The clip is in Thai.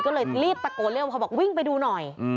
ก็เลยรีบตะโกเรื่องวิ่งไปดูหน่อย